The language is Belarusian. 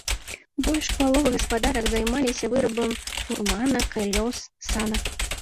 Больш паловы гаспадарак займаліся вырабам фурманак, калёс, санак.